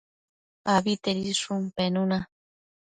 Abitedishun penuna